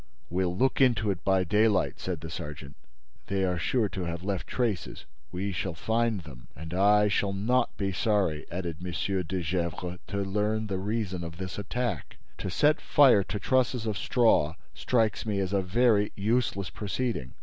"We'll look into it by daylight," said the sergeant. "They are sure to have left traces: we shall find them." "And I shall not be sorry," added M. de Gesvres, "to learn the reason of this attack. To set fire to trusses of straw strikes me as a very useless proceeding."